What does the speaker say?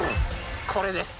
これです。